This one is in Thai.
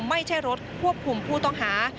ไม่ใช่รถควบคุมผู้ต้องหา